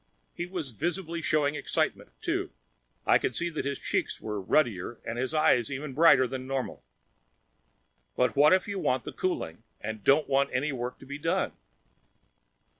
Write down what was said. He was visibly showing excitement, too; I could see that his cheeks were ruddier and his eyes even brighter than normal. "But what if you want the cooling and don't have any work to be done?"